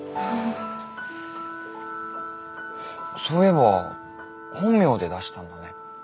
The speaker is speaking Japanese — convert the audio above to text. そういえば本名で出したんだね。